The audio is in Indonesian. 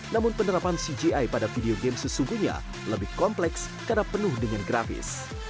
namun penerapan cgi pada video game sesungguhnya lebih kompleks karena penuh dengan grafis